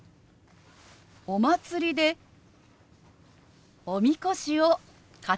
「お祭りでおみこしを担ぐんだ」。